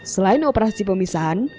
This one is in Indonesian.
selain operasi pemisahan